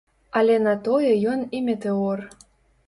Але на тое ён і метэор.